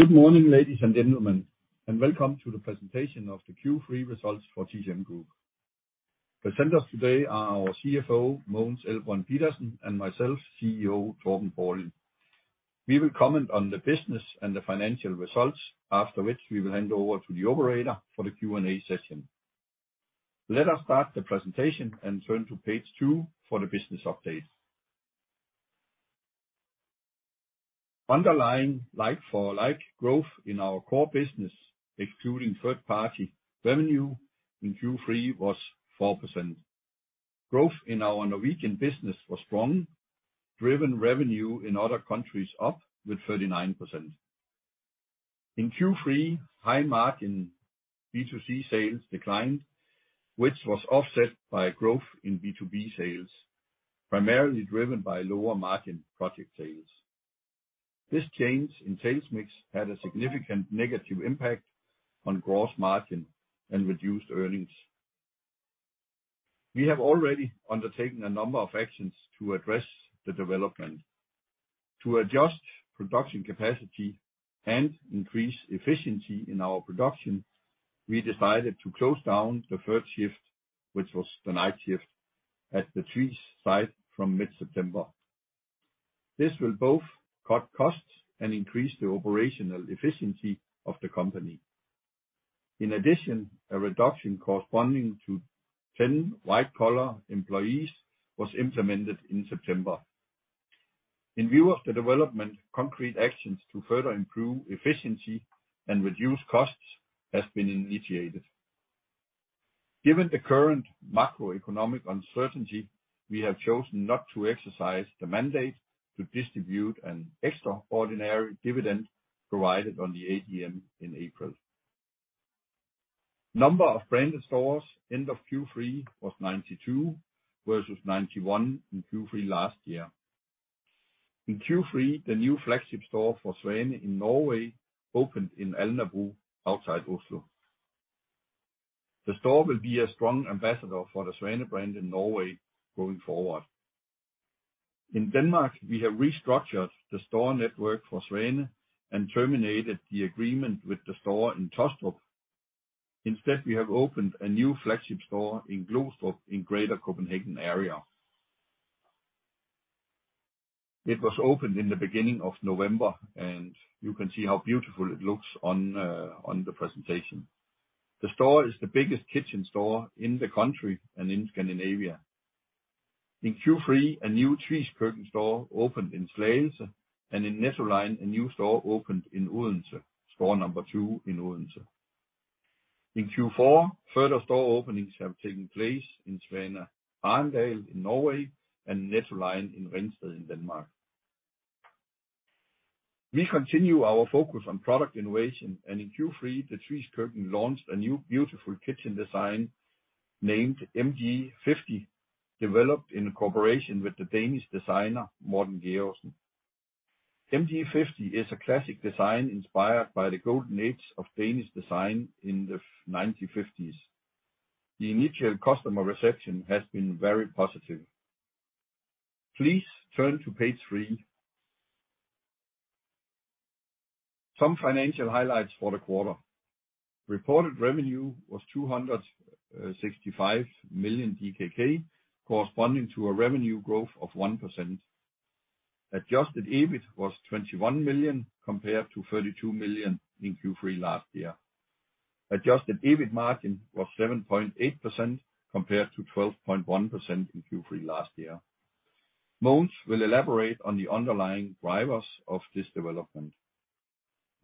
Good morning, ladies and gentlemen, and welcome to the presentation of the Q3 results for TCM Group. Presenters today are our CFO, Mogens Elbrønd Pedersen, and myself, CEO Torben Paulin. We will comment on the business and the financial results, after which we will hand over to the operator for the Q&A session. Let us start the presentation and turn to page two for the business update. Underlying like-for-like growth in our core business, excluding third-party revenue in Q3 was 4%. Growth in our Norwegian business was strong, driving revenue in other countries up by 39%. In Q3, high margin B2C sales declined, which was offset by a growth in B2B sales, primarily driven by lower margin project sales. This change in sales mix had a significant negative impact on gross margin and reduced earnings. We have already undertaken a number of actions to address the development. To adjust production capacity and increase efficiency in our production, we decided to close down the third shift, which was the night shift, at the Tvis site from mid-September. This will both cut costs and increase the operational efficiency of the company. In addition, a reduction corresponding to 10 white-collar employees was implemented in September. In view of the development, concrete actions to further improve efficiency and reduce costs has been initiated. Given the current macroeconomic uncertainty, we have chosen not to exercise the mandate to distribute an extraordinary dividend provided on the AGM in April. Number of branded stores end of Q3 was 92 versus 91 in Q3 last year. In Q3, the new flagship store for Svane in Norway opened in Alnabru outside Oslo. The store will be a strong ambassador for the Svane brand in Norway going forward. In Denmark, we have restructured the store network for Svane and terminated the agreement with the store in Taastrup. Instead, we have opened a new flagship store in Glostrup in greater Copenhagen area. It was opened in the beginning of November, and you can see how beautiful it looks on the presentation. The store is the biggest kitchen store in the country and in Scandinavia. In Q3, a new Tvis Køkken store opened in Slagelse, and in Nettoline, a new store opened in Odense, store number two in Odense. In Q4, further store openings have taken place in Svane, Arendal in Norway and Nettoline in Ringsted in Denmark. We continue our focus on product innovation, and in Q3, the Tvis Køkken launched a new beautiful kitchen design named MG50, developed in cooperation with the Danish designer Morten Georgsen. MG50 is a classic design inspired by the golden age of Danish design in the 1950s. The initial customer reception has been very positive. Please turn to page three. Some financial highlights for the quarter. Reported revenue was 265 million DKK, corresponding to a revenue growth of 1%. Adjusted EBIT was 21 million, compared to 32 million in Q3 last year. Adjusted EBIT margin was 7.8% compared to 12.1% in Q3 last year. Mogens will elaborate on the underlying drivers of this development.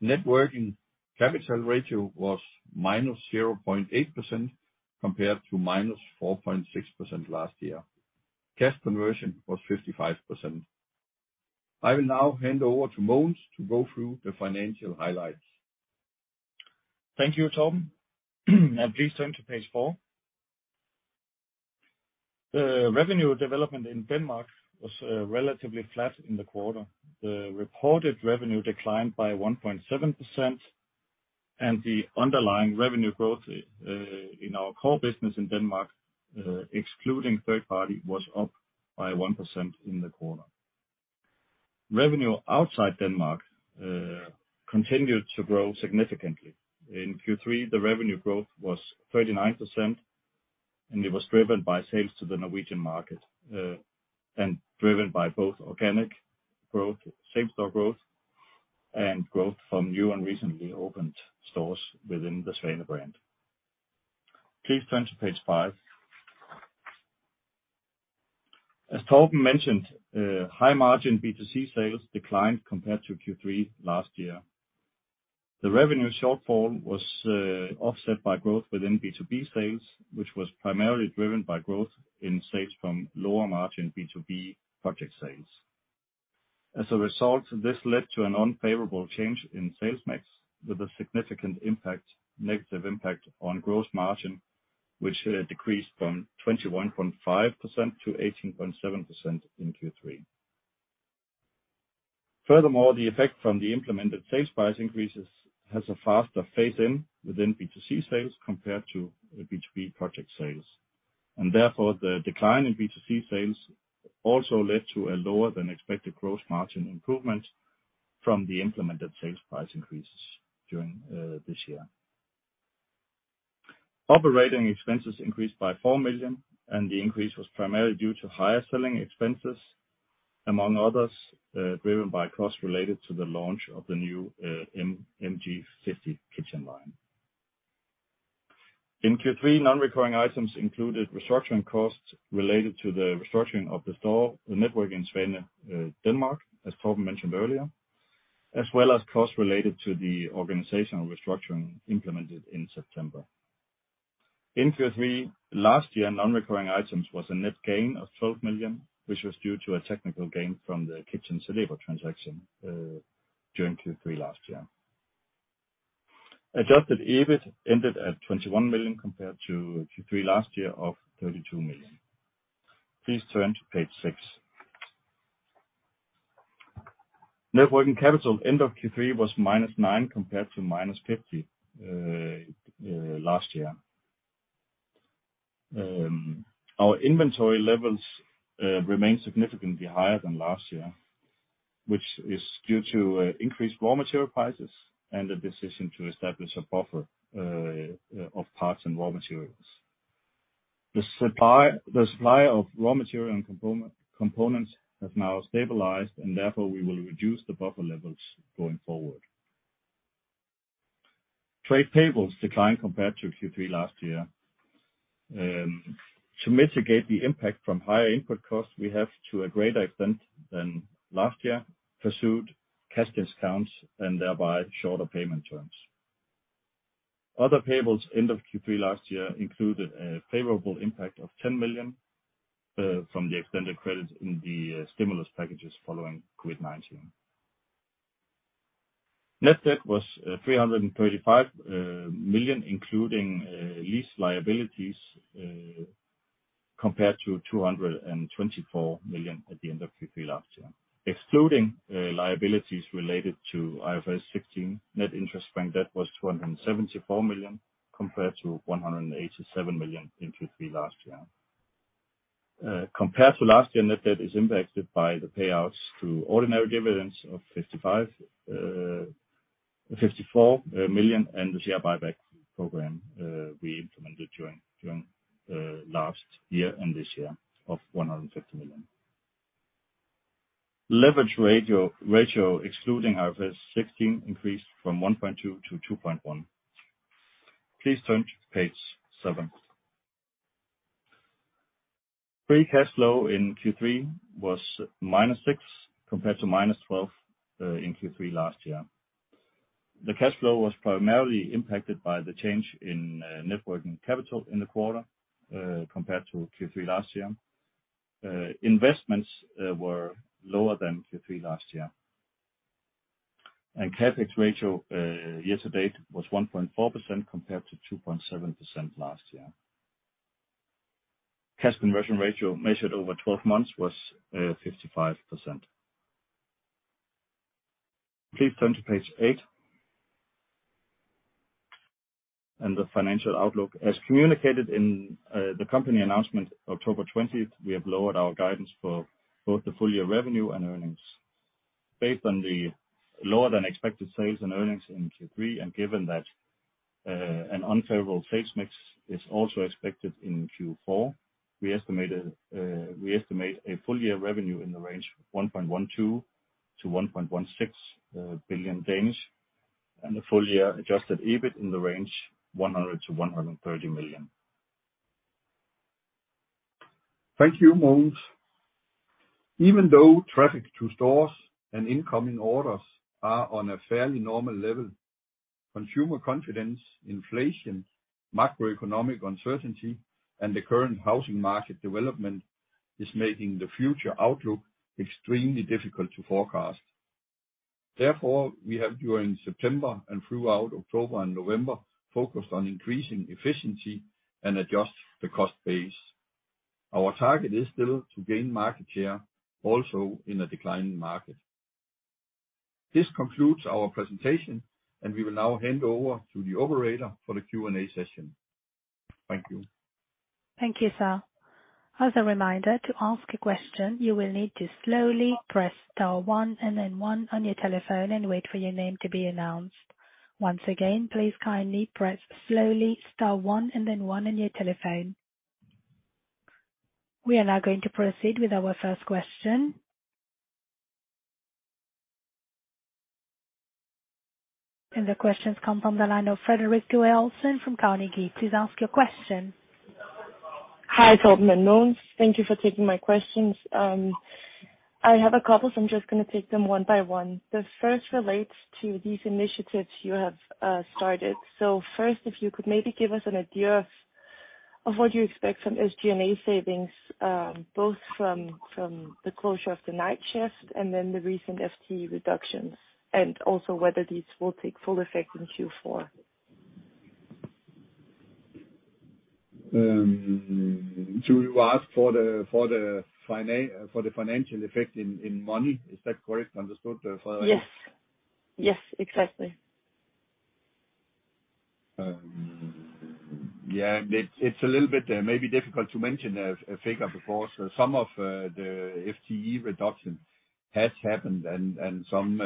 Net working capital ratio was -0.8% compared to -4.6% last year. Cash conversion was 55%. I will now hand over to Mogens to go through the financial highlights. Thank you, Torben. Please turn to page 4. The revenue development in Denmark was relatively flat in the quarter. The reported revenue declined by 1.7%, and the underlying revenue growth in our core business in Denmark excluding third party was up by 1% in the quarter. Revenue outside Denmark continued to grow significantly. In Q3, the revenue growth was 39%, and it was driven by sales to the Norwegian market and driven by both organic growth, same-store growth, and growth from new and recently opened stores within the Svane brand. Please turn to page five. As Torben mentioned, high margin B2C sales declined compared to Q3 last year. The revenue shortfall was offset by growth within B2B sales, which was primarily driven by growth in sales from lower margin B2B project sales. As a result, this led to an unfavorable change in sales mix with a significant impact, negative impact on gross margin, which decreased from 21.5%-18.7% in Q3. Furthermore, the effect from the implemented sales price increases has a faster phase-in within B2C sales compared to the B2B project sales. Therefore, the decline in B2C sales also led to a lower than expected gross margin improvement from the implemented sales price increases during this year. Operating expenses increased by 4 million, and the increase was primarily due to higher selling expenses, among others, driven by costs related to the launch of the new MG 50 kitchen line. In Q3, non-recurring items included restructuring costs related to the restructuring of the store network in Spain, Denmark, as Torben mentioned earlier, as well as costs related to the organizational restructuring implemented in September. In Q3 last year, non-recurring items was a net gain of 12 million, which was due to a technical gain from the Celebert ApS transaction during Q3 last year. Adjusted EBIT ended at 21 million compared to Q3 last year of 32 million. Please turn to page six. Net working capital end of Q3 was -9 million compared to -50 million last year. Our inventory levels remain significantly higher than last year, which is due to increased raw material prices and the decision to establish a buffer of parts and raw materials. The supply of raw material and components have now stabilized, and therefore we will reduce the buffer levels going forward. Trade payables declined compared to Q3 last year. To mitigate the impact from higher input costs, we have to a greater extent than last year pursued cash discounts and thereby shorter payment terms. Other payables end of Q3 last year included a favorable impact of 10 million from the extended credits in the stimulus packages following COVID-19. Net debt was 335 million, including lease liabilities, compared to 224 million at the end of Q3 last year. Excluding liabilities related to IFRS 16, net interest-bearing debt was 274 million compared to 187 million in Q3 last year. Compared to last year, net debt is impacted by the payouts through ordinary dividends of 54 million, and the share buyback program we implemented during last year and this year of 150 million. Leverage ratio excluding IFRS 16 increased from 1.2x to 2.1x. Please turn to page seven. Free cash flow in Q3 was -6 million compared to -12 million in Q3 last year. The cash flow was primarily impacted by the change in net working capital in the quarter compared to Q3 last year. Investments were lower than Q3 last year. CapEx ratio year to date was 1.4% compared to 2.7% last year. Cash conversion ratio measured over 12 months was 55%. Please turn to page eight. The financial outlook. As communicated in the company announcement October 20, we have lowered our guidance for both the full year revenue and earnings. Based on the lower than expected sales and earnings in Q3, and given that an unfavorable face mix is also expected in Q4, we estimate a full year revenue in the range of 1.12 billion-1.16 billion, and a full year adjusted EBIT in the range of 100 million-130 million. Thank you, Mogens. Even though traffic to stores and incoming orders are on a fairly normal level, consumer confidence, inflation, macroeconomic uncertainty, and the current housing market development is making the future outlook extremely difficult to forecast. Therefore, we have during September and throughout October and November, focused on increasing efficiency and adjust the cost base. Our target is still to gain market share, also in a declining market. This concludes our presentation, and we will now hand over to the operator for the Q&A session. Thank you. Thank you, sir. As a reminder, to ask a question, you will need to slowly press star one and then one on your telephone and wait for your name to be announced. Once again, please kindly press slowly star one and then one on your telephone. We are now going to proceed with our first question. The questions come from the line of Frederik Joel-Sørensen from Carnegie. Please ask your question. Hi, Torben and Mogens. Thank you for taking my questions. I have a couple, so I'm just gonna take them one by one. The first relates to these initiatives you have started. If you could maybe give us an idea of what you expect from SG&A savings, both from the closure of the night shift and then the recent FTE reductions, and also whether these will take full effect in Q4. You ask for the financial effect in money. Is that correctly understood, Frederik? Yes. Yes, exactly. Yeah, it's a little bit maybe difficult to mention a figure because some of the FTE reduction has happened and some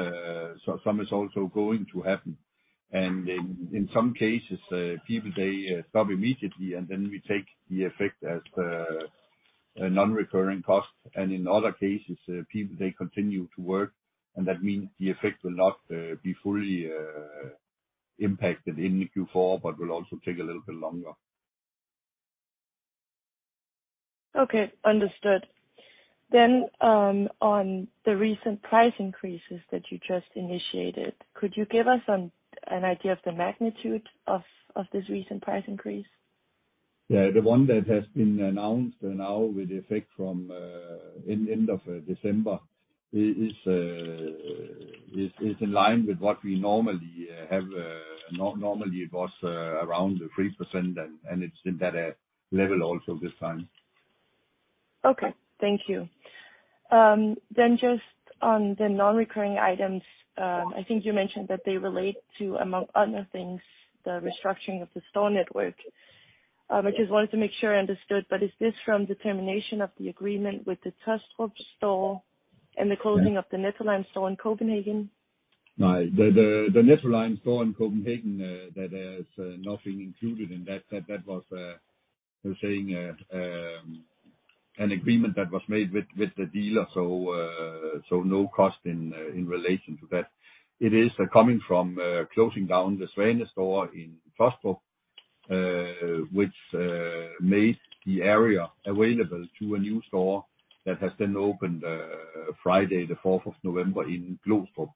is also going to happen. In some cases, people they stop immediately, and then we take the effect as a non-recurring cost. In other cases, people they continue to work, and that means the effect will not be fully impacted in Q4, but will also take a little bit longer. Okay. Understood. On the recent price increases that you just initiated, could you give us an idea of the magnitude of this recent price increase? Yeah. The one that has been announced now with effect from end of December is in line with what we normally have. Normally it was around 3% and it's in that level also this time. Okay. Thank you. Just on the non-recurring items, I think you mentioned that they relate to, among other things, the restructuring of the store network. I just wanted to make sure I understood, but is this from the termination of the agreement with the Taastrup store? Yeah. the closing of the Nettoline store in Copenhagen? No. The Nettoline store in Copenhagen, that has nothing included in that. That was, I was saying, an agreement that was made with the dealer, so no cost in relation to that. It is coming from closing down the Svane store in Taastrup, which made the area available to a new store that has then opened Friday, the 4th of November in Glostrup.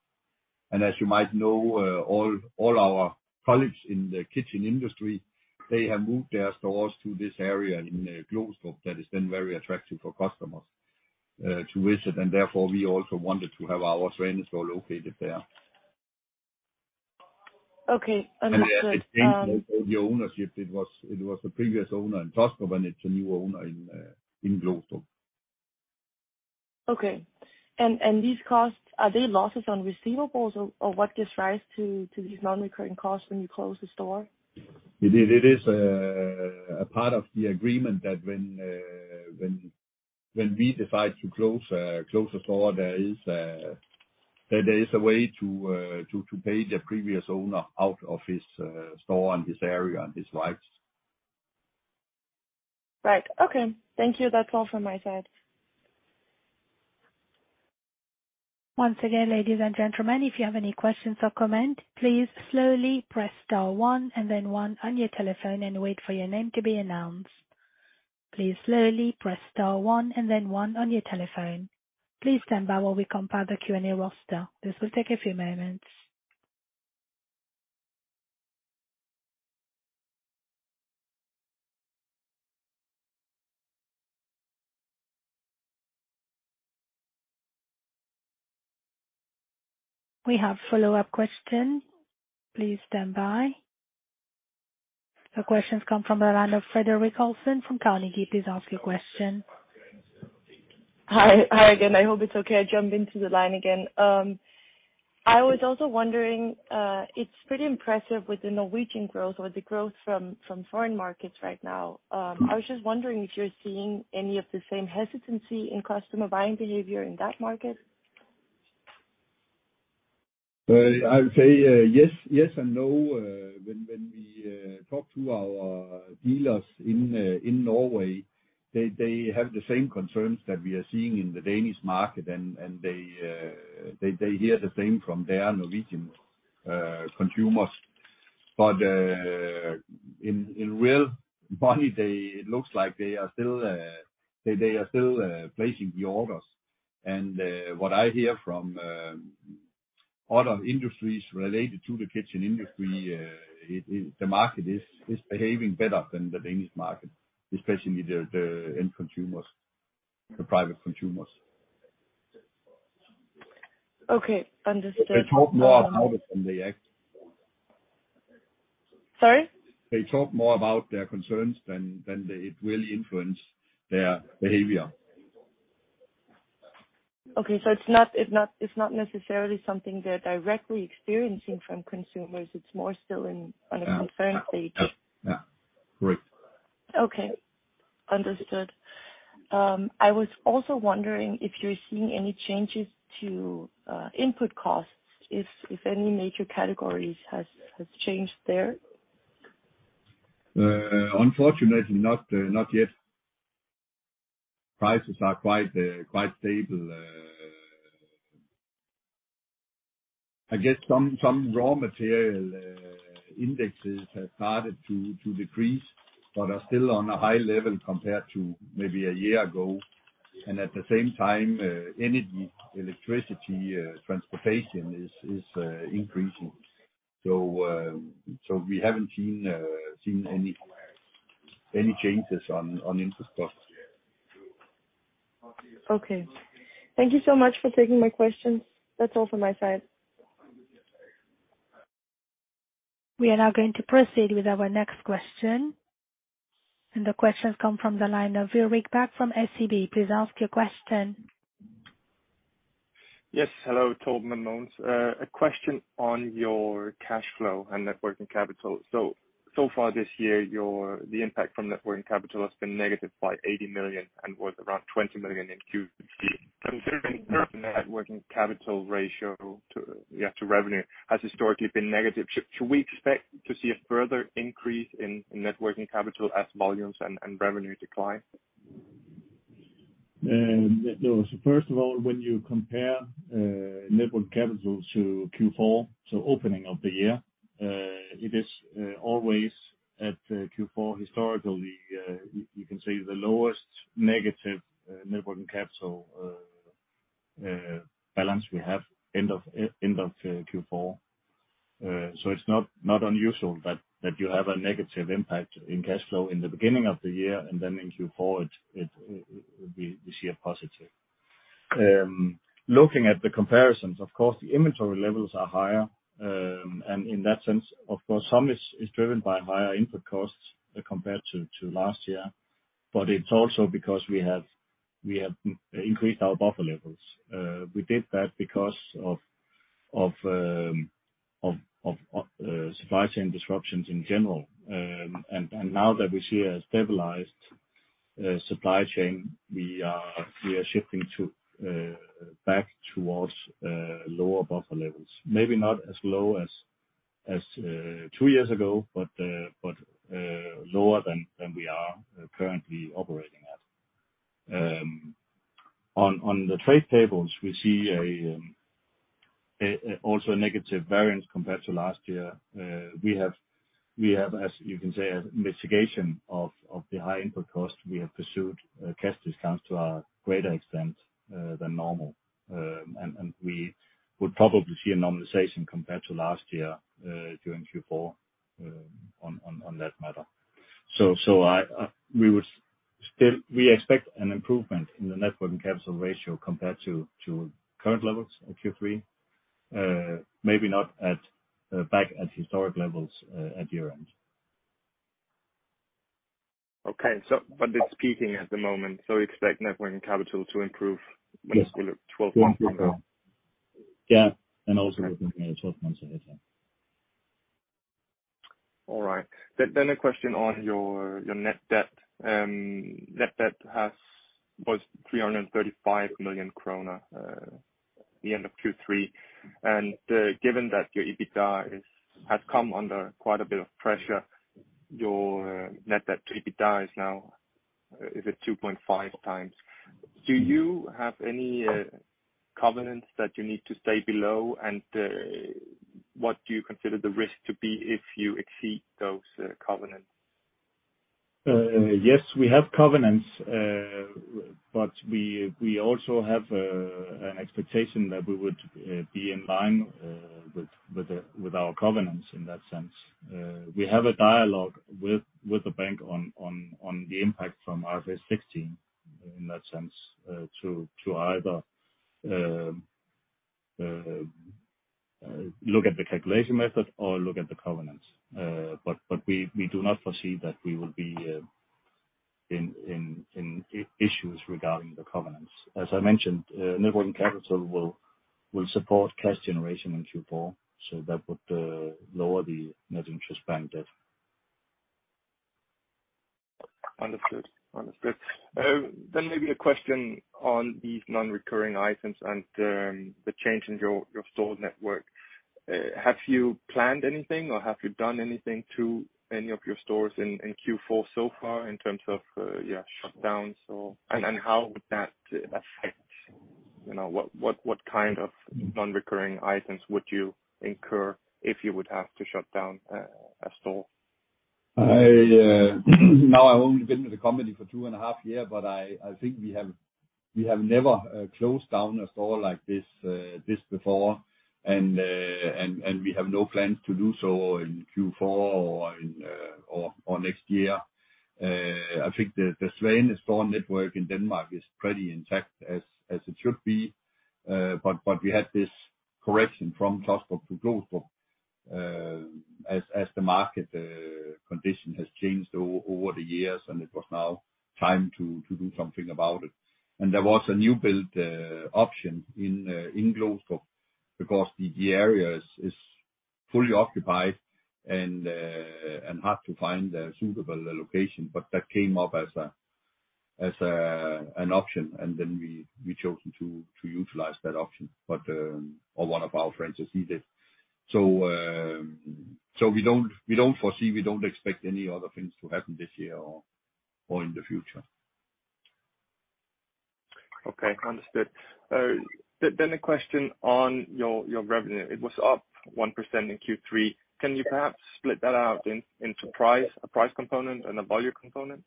As you might know, all our colleagues in the kitchen industry, they have moved their stores to this area in Glostrup that is then very attractive for customers to visit. Therefore, we also wanted to have our Svane store located there. Okay. Understood. It has changed, also, the ownership. It was the previous owner in Taastrup, and it's a new owner in Glostrup. Okay. These costs, are they losses on receivables? Or, what gives rise to these non-recurring costs when you close a store? It is a part of the agreement that when we decide to close a store, there is a way to pay the previous owner out of his store and his area and his rights. Right. Okay. Thank you. That's all from my side. Once again, ladies and gentlemen, if you have any questions or comments, please slowly press star one and then one on your telephone and wait for your name to be announced. Please slowly press star one and then one on your telephone. Please stand by while we compile the Q&A roster. This will take a few moments. We have a follow-up question. Please stand by. The questions come from the line of Frederik Joel-Sørensen from Carnegie. Please ask your question. Hi. Hi again. I hope it's okay I jump into the line again. I was also wondering, it's pretty impressive with the Norwegian growth or the growth from foreign markets right now. I was just wondering if you're seeing any of the same hesitancy in customer buying behavior in that market? I would say, yes. Yes and no. When we talk to our dealers in Norway, they have the same concerns that we are seeing in the Danish market. They hear the same from their Norwegian consumers. In real money, it looks like they are still placing the orders. What I hear from other industries related to the kitchen industry, the market is behaving better than the Danish market, especially the end consumers, the private consumers. Okay. Understood. They talk more about it than they act. Sorry? They talk more about their concerns than they really influence their behavior. Okay. It's not necessarily something they're directly experiencing from consumers, it's more still in- Yeah. On a concern stage. Yeah. Yeah. Right. Okay. Understood. I was also wondering if you're seeing any changes to input costs, if any major categories has changed there. Unfortunately, not yet. Prices are quite stable. I guess some raw material indexes have started to decrease but are still on a high level compared to maybe a year ago. At the same time, energy, electricity, transportation is increasing. We haven't seen any changes on input costs. Okay. Thank you so much for taking my questions. That's all from my side. We are now going to proceed with our next question, and the question's come from the line of Ulrik Bak from SEB. Please ask your question. Yes. Hello, Torben and Mogens. A question on your cash flow and net working capital. So far this year, the impact from net working capital has been negative by 80 million and was around 20 million in Q3. Considering your net working capital ratio to your revenue has historically been negative, should we expect to see a further increase in net working capital as volumes and revenue decline? No. First of all, when you compare net working capital to Q4, so opening of the year, it is always at Q4 historically, you can say the lowest negative net working capital balance we have end of Q4. It's not unusual that you have a negative impact in cash flow in the beginning of the year, and then in Q4 we see a positive. Looking at the comparisons, of course, the inventory levels are higher. In that sense, of course, some is driven by higher input costs compared to last year. It's also because we have increased our buffer levels. We did that because of supply chain disruptions in general. Now that we see a stabilized supply chain, we are shifting back towards lower buffer levels. Maybe not as low as two years ago, but lower than we are currently operating at. On the trade tables, we see also a negative variance compared to last year. We have, as you can see, a mitigation of the high input costs. We have pursued cash discounts to a greater extent than normal. We would probably see a normalization compared to last year during Q4 on that matter. We expect an improvement in the net working capital ratio compared to current levels at Q3, maybe not back at historic levels, at year-end. It's peaking at the moment, so you expect net working capital to improve. Yes. When we look at 12 months from now? Yeah. Also looking at 12 months ahead, yeah. All right. A question on your net debt. Net debt was 335 million kroner at the end of Q3. Given that your EBITDA has come under quite a bit of pressure, your net debt to EBITDA is now at 2.5x. Do you have any covenants that you need to stay below? What do you consider the risk to be if you exceed those covenants? Yes, we have covenants. We also have an expectation that we would be in line with our covenants in that sense. We have a dialogue with the bank on the impact from IFRS 16 in that sense, to either look at the calculation method or look at the covenants. We do not foresee that we will be in issues regarding the covenants. As I mentioned, net working capital will support cash generation in Q4, so that would lower the net interest-bearing debt. Understood. Maybe a question on these non-recurring items and the change in your store network. Have you planned anything or have you done anything to any of your stores in Q4 so far in terms of shutdowns. How would that affect, you know, what kind of non-recurring items would you incur if you would have to shut down a store? Now I've only been with the company for two and a half years, but I think we have never closed down a store like this before. We have no plans to do so in Q4 or next year. I think the Svane store network in Denmark is pretty intact as it should be. We had this correction from Taastrup to Glostrup as the market condition has changed over the years, and it was now time to do something about it. There was a new build option in Glostrup because the area is fully occupied and hard to find a suitable location. That came up as an option, and then we chosen to utilize that option. Or one of our franchisees did. We don't foresee, we don't expect any other things to happen this year or in the future. Okay, understood. A question on your revenue. It was up 1% in Q3. Can you perhaps split that out into price, a price component and a volume component?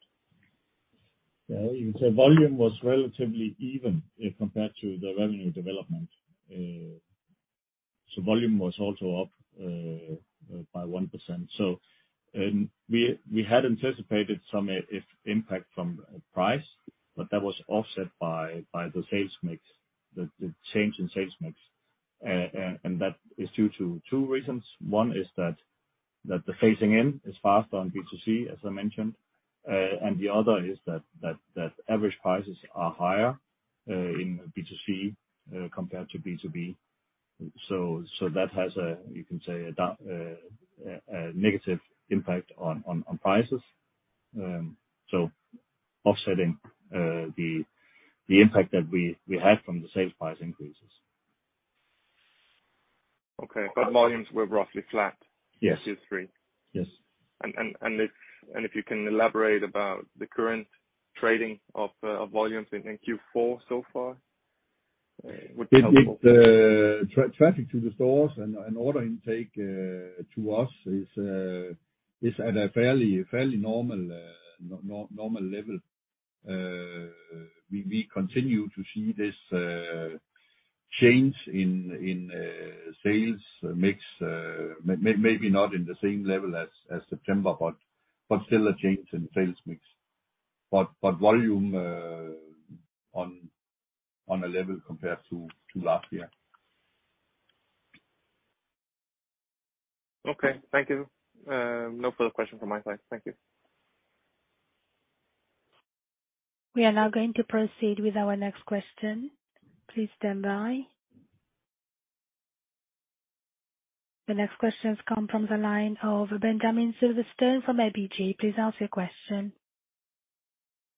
Yeah. You can say volume was relatively even compared to the revenue development. Volume was also up by 1%. We had anticipated some impact from price, but that was offset by the sales mix, the change in sales mix. That is due to two reasons. One is that the phasing in is faster on B2C, as I mentioned. The other is that average prices are higher in B2C compared to B2B. That has a negative impact on prices, offsetting the impact that we had from the sales price increases. Okay. Volumes were roughly flat. Yes. In Q3. Yes. If you can elaborate about the current trading of volumes in Q4 so far, would be helpful. The traffic to the stores and order intake to us is at a fairly normal level. We continue to see this change in sales mix. Maybe not in the same level as September, but still a change in sales mix. Volume on a level compared to last year. Okay. Thank you. No further question from my side. Thank you. We are now going to proceed with our next question. Please stand by. The next questions come from the line of Benjamin Silverstone from ABG. Please ask your question.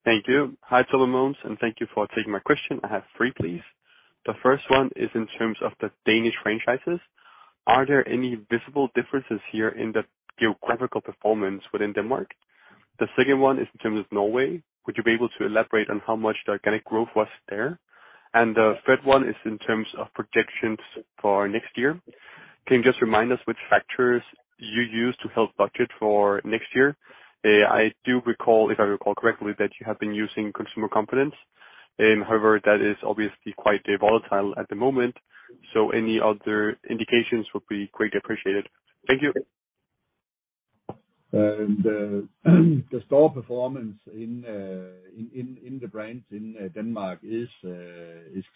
Thank you. Hi, Torben, and thank you for taking my question. I have three, please. The first one is in terms of the Danish franchises. Are there any visible differences here in the geographical performance within Denmark? The second one is in terms of Norway. Would you be able to elaborate on how much the organic growth was there? The third one is in terms of projections for next year. Can you just remind us which factors you used to help budget for next year? I do recall, if I recall correctly, that you have been using consumer confidence index. However, that is obviously quite volatile at the moment. So any other indications would be quite appreciated. Thank you. The store performance in the brands in Denmark is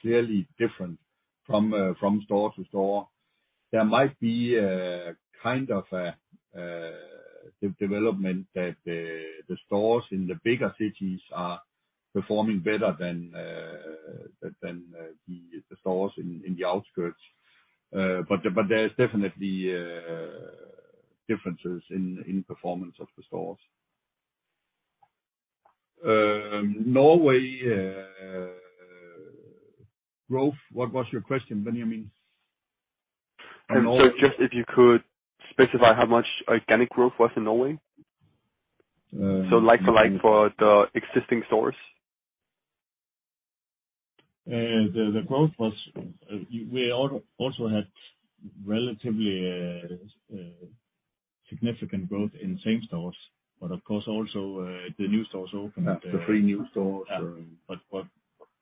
clearly different from store to store. There might be kind of a development that the stores in the bigger cities are performing better than the stores in the outskirts. There is definitely differences in performance of the stores. Norway growth. What was your question, Benjamin? Just if you could specify how much organic growth was in Norway? Like for like for the existing stores. The growth was. We also had relatively significant growth in same stores, but of course also, the new stores opened. The three new stores.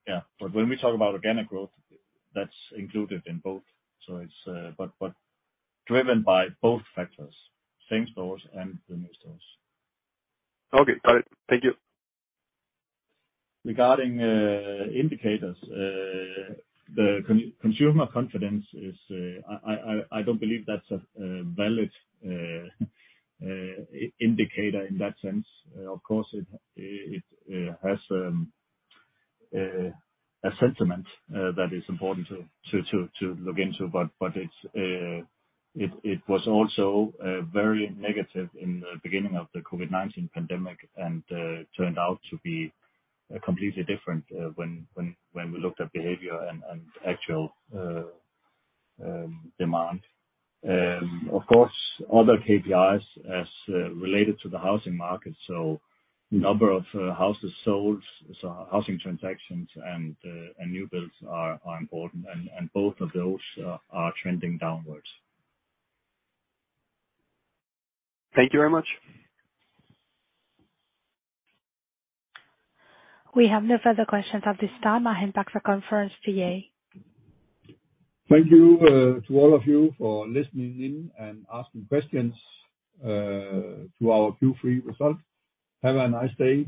Yeah. When we talk about organic growth, that's included in both. It's driven by both factors, same stores and the new stores. Okay. Got it. Thank you. Regarding indicators, the consumer confidence is, I don't believe that's a valid indicator in that sense. Of course, it has a sentiment that is important to look into, but it was also very negative in the beginning of the COVID-19 pandemic and turned out to be completely different when we looked at behavior and actual demand. Of course, other KPIs such as related to the housing market, so number of houses sold, so housing transactions and new builds are important, and both of those are trending downwards. Thank you very much. We have no further questions at this time. I hand back the conference to you. Thank you, to all of you for listening in and asking questions, to our Q3 results. Have a nice day.